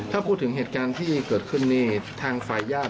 ถ้าพูดถึงเหตุการณ์ที่เกิดขึ้นนี่ทางฝ่ายญาติ